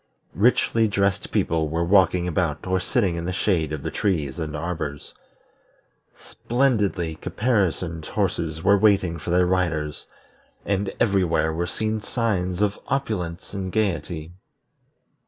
Richly dressed people were walking about or sitting in the shade of the trees and arbors; splendidly caparisoned horses were waiting for their riders; and everywhere were seen signs of opulence and gayety.